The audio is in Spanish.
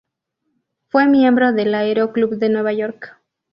Fue miembro del Aero Club de Nueva York.